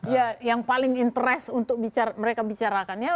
ya yang paling interest untuk mereka bicarakannya